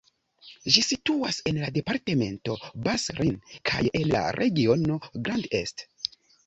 Ĝi situas en la departemento Bas-Rhin kaj en la regiono Grand Est.